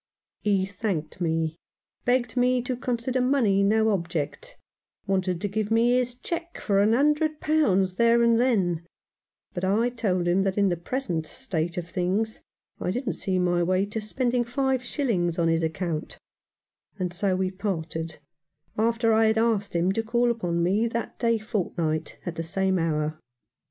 He thanked me ; begged me to consider money no object ; wanted to give me his cheque for a hundred pounds there and then ; but I told him that in the present state of things I didn't see my way to spending five shillings on his account ; and so we parted, after I had asked him to call upon me that day fortnight, at the same hour.